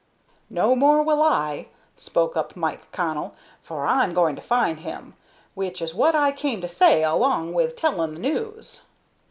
"No more will I," spoke up Mike Connell, "for I'm going to find him, which is what I came to say along with telling the news."